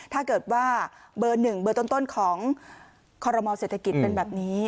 ถ้าเกิดว่าเบอร์๑เบอร์ต้นของคอรมอเศรษฐกิจเป็นแบบนี้